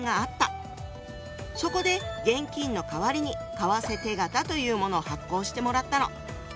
そこで現金の代わりに「為替手形」というものを発行してもらったの。